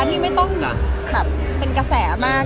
ที่ไม่จำเป็นกระแสมาก